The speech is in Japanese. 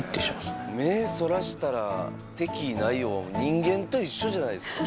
「目そらしたら敵意ないよ」はもう人間と一緒じゃないですか。